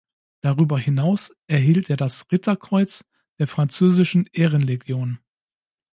Darüber hinaus erhielt er das Ritterkreuz der französischen Ehrenlegion.